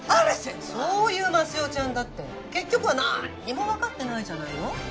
そういう益代ちゃんだって結局は何にも分かってないじゃないの。